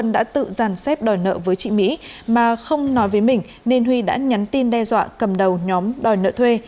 ông đã tự giàn xếp đòi nợ với chị mỹ mà không nói với mình nên huy đã nhắn tin đe dọa cầm đầu nhóm đòi nợ thuê